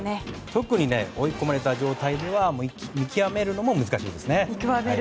特に追い込まれた状態では見極めるのも難しいですね。